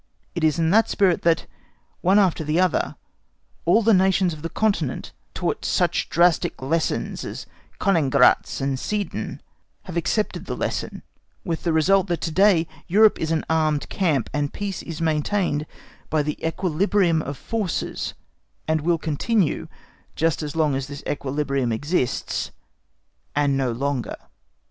It is in that spirit that, one after the other, all the Nations of the Continent, taught by such drastic lessons as Königgrätz and Sedan, have accepted the lesson, with the result that to day Europe is an armed camp, and _peace is maintained by the equilibrium of forces, and will continue just as long as this equilibrium exists, and no longer.